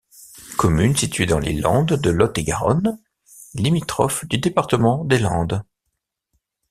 Commune située dans les landes de Lot-et-Garonne, limitrophe du département des Landes.